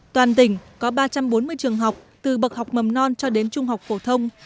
toàn tỉnh có ba trăm bốn mươi trường học từ bậc học mầm non cho đến trung học phổ thông